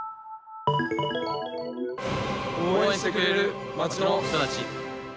応援してくれる街の人たち。